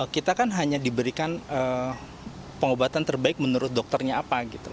kita kan hanya diberikan pengobatan terbaik menurut dokternya apa gitu